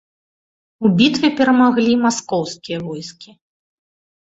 У бітве перамаглі маскоўскія войскі.